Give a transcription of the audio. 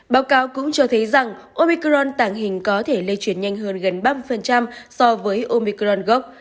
báo cáo cũng cho thấy rằng omicron tàng hình có thể lây chuyển nhanh hơn gần ba mươi so với omicron gốc